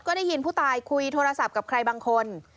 ก็ได้ยินผู้ตายคุยโทรศัพท์กับใครบางคน